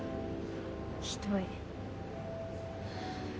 ひどい。